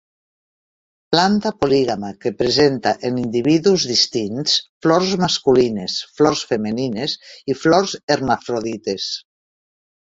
Planta polígama que presenta en individus distints flors masculines, flors femenines i flors hermafrodites.